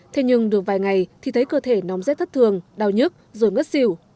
thế nhưng được vài ngày thì thấy cơ thể nóng rét thất thường đau nhức rồi ngất xỉu